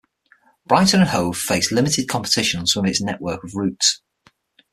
Brighton and Hove face limited competition on some of its network of routes.